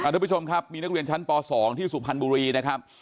ทุกผู้ชมครับมีนักเรียนชั้นป๒ที่สุพรรณบุรีนะครับ